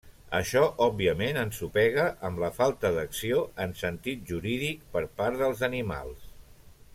Això òbviament ensopega amb la falta d'acció, en sentit jurídic, per part dels animals.